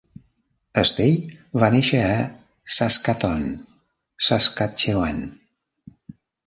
Estey va néixer a Saskatoon, Saskatchewan.